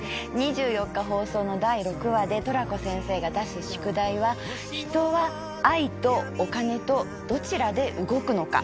２４日放送の第６話でトラコ先生が出す宿題は「人は愛とお金とどちらで動くのか」。